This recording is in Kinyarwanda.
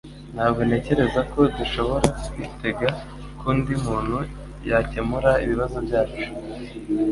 Ntabwo ntekereza ko dushobora kwitega ko undi muntu yakemura ibibazo byacu.